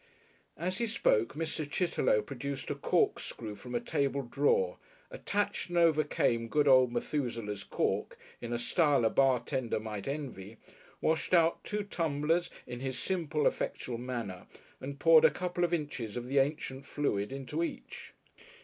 As he spoke Mr. Chitterlow produced a corkscrew from a table drawer, attached and overcame good old Methusaleh's cork in a style a bartender might envy, washed out two tumblers in his simple, effectual manner, and poured a couple of inches of the ancient fluid into each.